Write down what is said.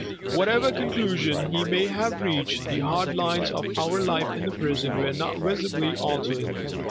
Whatever conclusion he may have reached, the hard lines of our life in the prison were not visibly altered.